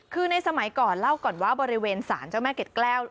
คือในสมัยก่อนเล่าก่อนว่าบริเวณสารเจ้าแม่เกร็ดแก้ว